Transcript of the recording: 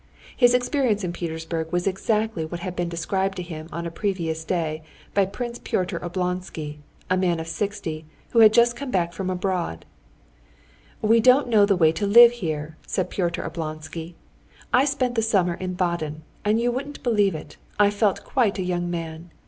His experience in Petersburg was exactly what had been described to him on the previous day by Prince Pyotr Oblonsky, a man of sixty, who had just come back from abroad: "We don't know the way to live here," said Pyotr Oblonsky. "I spent the summer in Baden, and you wouldn't believe it, I felt quite a young man.